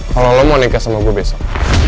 kalau lo mau nikah sama gue besok